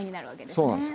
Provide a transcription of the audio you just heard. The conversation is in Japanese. そうなんですよ。